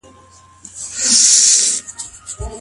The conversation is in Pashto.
د کورنيو ستونزو د هواري لومړني تدابير څه دي؟